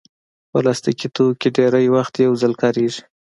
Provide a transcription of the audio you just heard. پلاستيکي توکي ډېری وخت یو ځل کارېږي.